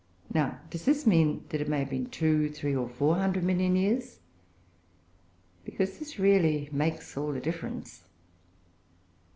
Now does this mean that it may have been two, or three, or four hundred million years? Because this really makes all the difference.